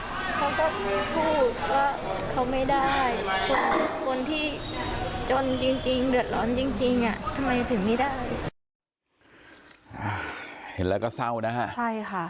เขาก็พูดว่าเขาไม่ได้